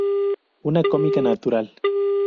Una "cómica natural".